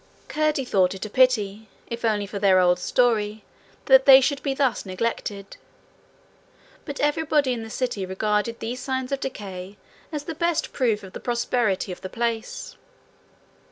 Curdie thought it a pity, if only for their old story, that they should be thus neglected. But everybody in the city regarded these signs of decay as the best proof of the prosperity of the place.